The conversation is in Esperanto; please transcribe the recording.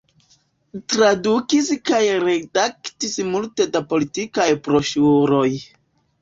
Tradukis kaj redaktis multe da politikaj broŝuroj.